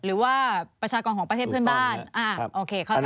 หรือว่าประชากรของประเทศเพื่อนบ้าน